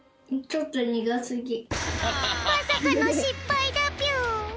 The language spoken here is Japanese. まさかのしっぱいだぴょん。